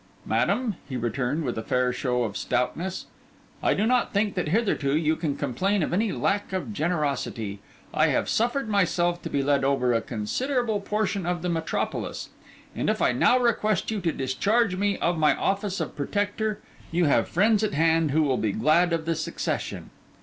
'Madam,' he returned, with a fair show of stoutness, 'I do not think that hitherto you can complain of any lack of generosity; I have suffered myself to be led over a considerable portion of the metropolis; and if I now request you to discharge me of my office of protector, you have friends at hand who will be glad of the succession.